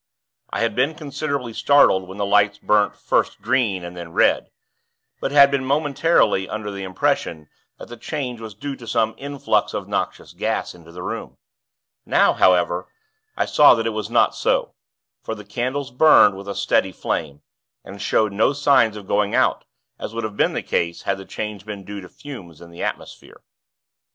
I had been considerably startled when the lights burnt first green and then red; but had been momentarily under the impression that the change was due to some influx of noxious gas into the room. Now, however, I saw that it was not so; for the candles burned with a steady flame, and showed no signs of going out, as would have been the case had the change been due to fumes in the atmosphere.